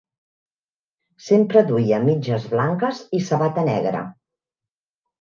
Sempre duida mitges blanques i sabata negra.